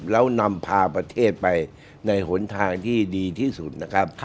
แล้วนำพาประเทศไปในหนทางที่ดีที่สุดนะครับ